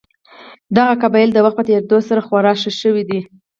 دغه قبایل د وخت په تېرېدو سره خواره شوي دي.